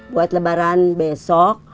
buat lebaran besok